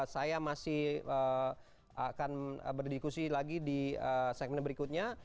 saya masih akan berdiskusi lagi di segmen berikutnya